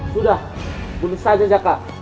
sudah bunuh saja jaka